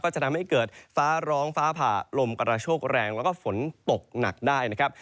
จะทำให้เกิดฟ้าร้องฟ้าผ่าลมกระโชคแรงแล้วก็ฝนตกหนักได้นะครับ